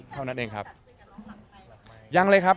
เท่านั้นเองครับ